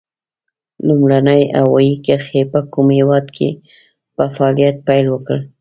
لومړنۍ هوایي کرښې په کوم هېواد کې په فعالیت پیل وکړ؟